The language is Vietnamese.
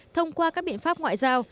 thông qua các biện pháp ngoại giao